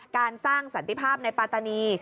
การสร้างสันติภาพในปาตานี